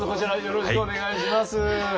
よろしくお願いします。